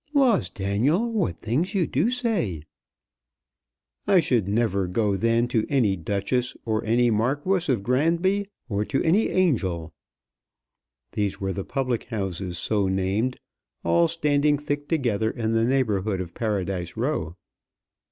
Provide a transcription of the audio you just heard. "Laws, Daniel; what things you do say!" "I should never go then to any Duchess, or any Marquess of Granby, or to any Angel." These were public houses so named, all standing thick together in the neighbourhood of Paradise Row.